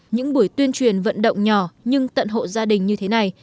những buổi tuyên truyền vận động nhỏ nhưng tận hộ gia đình như thế này